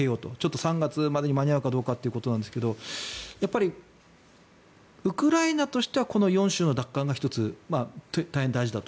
３月までに間に合うのかというところだそうですがウクライナとしてはこの４州の奪還が大変大事だと。